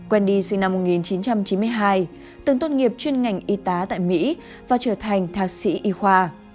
quendy sinh năm một nghìn chín trăm chín mươi hai từng tôn nghiệp chuyên ngành y tá tại mỹ và trở thành thạc sĩ y khoa